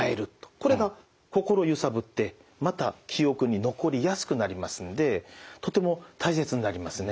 これが心をゆさぶってまた記憶に残りやすくなりますんでとても大切になりますね。